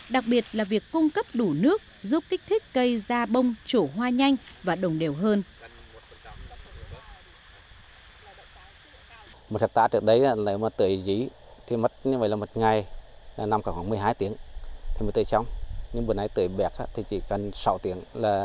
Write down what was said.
đặc biệt là việc cung cấp đủ nước giúp kích thích cây ra bông chỗ hoa nhanh và đồng đều hơn